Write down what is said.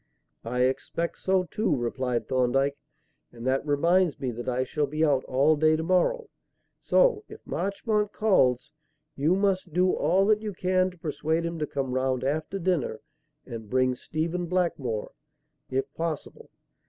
"I expect so, too," replied Thorndyke; "and that reminds me that I shall be out all day to morrow, so, if Marchmont calls, you must do all that you can to persuade him to come round after dinner and bring Stephen Blackmore, if possible.